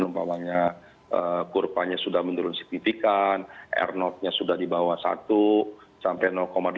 misalnya kurvanya sudah menurun signifikan r notenya sudah di bawah satu sampai delapan tujuh